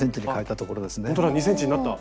ほんとだ２ｃｍになった。